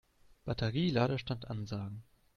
Batterie-Ladestand ansagen.